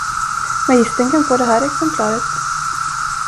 Magistern kan få det här exemplaret.